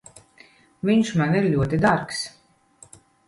Viņš man ir ļoti dārgs.